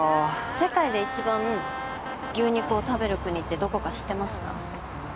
世界でいちばん牛肉を食べる国ってどこか知ってますか？